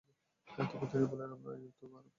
তখন তিনি বললেন, আমার আয়ুর তো আরো চল্লিশ বছর বাকি আছে!